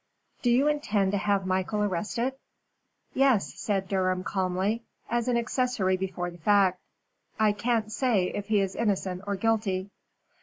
"Do you intend to have Michael arrested?" "Yes," said Durham, calmly, "as an accessory before the fact. I can't say if he is innocent or guilty."